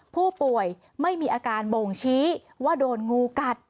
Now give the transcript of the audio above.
ผู้ป่วยไม่มีอาการบ่งชี้ว่าโดนงูกัด